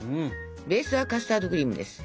ベースはカスタードクリームです。